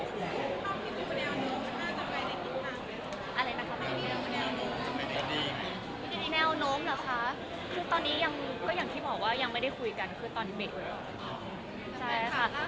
คือตอนนี้อย่างที่หมอว่ายังไม่ได้คุยกันคือตอนนี้เบ็ดเลยอะ